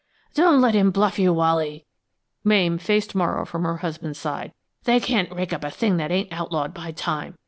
"Don't let him bluff you, Wally." Mame faced Morrow from her husband's side. "They can't rake up a thing that ain't outlawed by time.